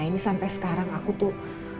ini sampai sekarang aku tuh